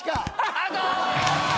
アウト！